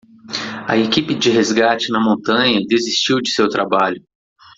A equipe de resgate na montanha desistiu de seu trabalho.